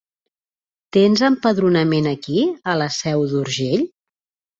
Tens empadronament aquí, a la Seu d'Urgell?